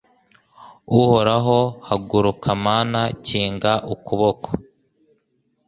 Uhoraho haguruka Mana kinga ukuboko